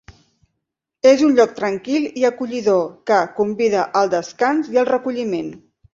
És un lloc tranquil i acollidor, que convida al descans i el recolliment.